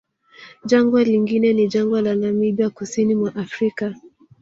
Jangwa lingine ni jangwa la Namibia kusini mwa Afrika